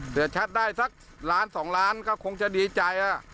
เสียชัดได้สักหลานสองหลานก็คงจะดีใจ